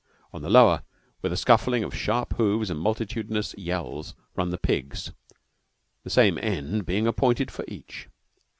On the lower, with a scuffling of sharp hoofs and multitudinous yells, run the pigs, the same end being appointed for each.